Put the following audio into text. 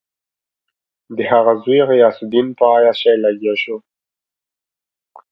د هغه زوی غیاث الدین په عیاشي لګیا شو.